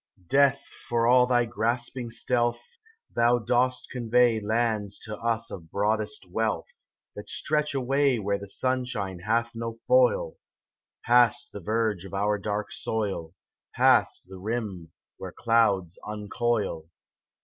28 DEATH, for all thy grasping stealth, Thou dost convey Lands to us of broadest wealth, >; c^ ^j^|^»^ ; That stretch away Where the sunshine hath no foil, Past the verge of our dark soil, Past the rim where clouds uncoil.